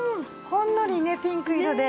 ほんのりねピンク色で。